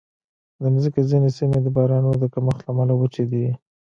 د مځکې ځینې سیمې د بارانونو د کمښت له امله وچې دي.